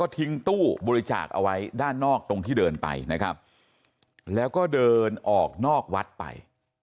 ทิ้งตู้บริจาคเอาไว้ด้านนอกตรงที่เดินไปนะครับแล้วก็เดินออกนอกวัดไป